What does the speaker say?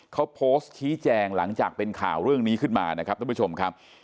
เขาโพสต์ชี้แจงหลังจากเป็นข่าวเรื่องนี้ขึ้นมานะครับท่านผู้ชมครับ